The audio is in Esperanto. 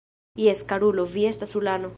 Jes, karulo, vi estas ulano.